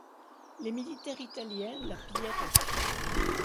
Les militaires Italiens la pillèrent aussi.